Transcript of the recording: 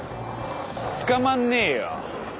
捕まんねえよ。